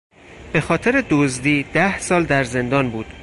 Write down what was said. به خاطر دزدی ده سال در زندان بود.